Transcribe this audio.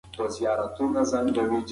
هلک د تېښتې هڅه کوله.